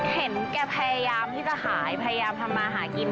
เห็นแกพยายามที่จะขายพยายามทำมาหากิน